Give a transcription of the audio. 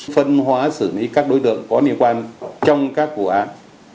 phân hóa xử lý các đối tượng có liên quan trong các vụ án